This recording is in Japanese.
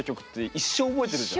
一生覚えてる。